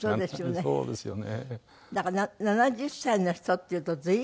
そうですね。